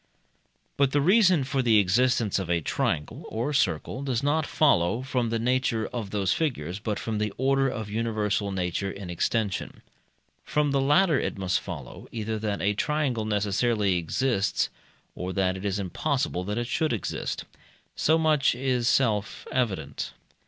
But the reason for the existence of a triangle or a circle does not follow from the nature of those figures, but from the order of universal nature in extension. From the latter it must follow, either that a triangle necessarily exists, or that it is impossible that it should exist. So much is self evident.